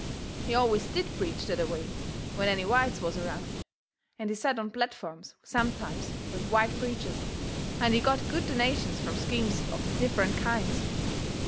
He always DID preach that a way when any whites was around, and he set on platforms sometimes with white preachers, and he got good donations fur schemes of different kinds.